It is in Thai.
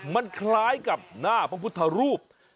มันคล้ายกับหน้าพระพุทธรูป